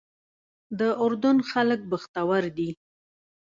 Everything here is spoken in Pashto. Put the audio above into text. د اردن خلک بختور دي.